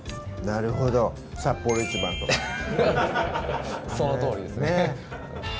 なるほど「サッポロ一番」とかそのとおりですね